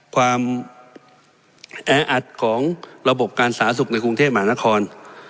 ความแออัดของระบบการสาธารณสุขในกรุงเทพมหานคร